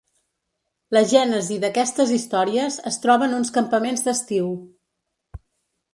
La gènesi d’aquestes històries es troba en uns campaments d’estiu.